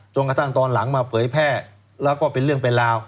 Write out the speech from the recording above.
กระทั่งตอนหลังมาเผยแพร่แล้วก็เป็นเรื่องเป็นราว